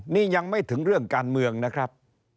นี่ยังไม่ถึงเรื่องการเมืองนะครับ